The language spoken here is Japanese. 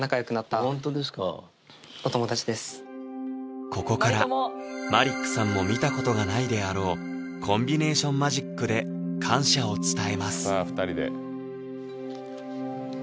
はいここからマリックさんも見たことがないであろうコンビネーションマジックで感謝を伝えます